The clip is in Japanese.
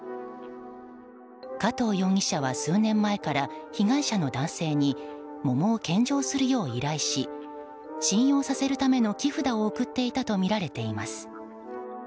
加藤容疑者は数年前から被害者の男性に桃を献上するよう依頼し信用させるための送っていたとみられています。